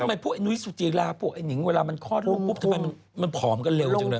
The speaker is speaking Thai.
ทำไมพวกนุยสุจีราพวกไอ้หนิงเวลามันคลอดลงปุ๊บทำไมมันผอมก็เร็วจริง